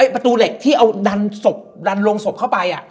ประตูเหล็กที่ดันลงศพเข้าไป